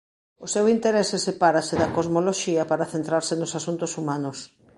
O seu interese sepárase da cosmoloxía para centrarse nos asuntos humanos.